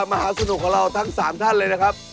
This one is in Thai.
มหาสนุกของเราทั้ง๓ท่านเลยนะครับ